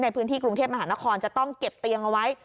ในพื้นที่กรุงเทพมหานครจะต้องเก็บเตียงเอาไว้